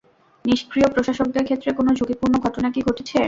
নিস্ক্রিয় প্রশাসকদের ক্ষেত্রে কোনো ঝুঁকিপূর্ণ ঘটনা কি ঘটেছে?